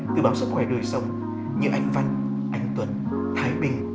từ báo sức khỏe đời sống như anh văn anh tuấn thái bình